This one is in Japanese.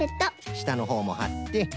したのほうもはって。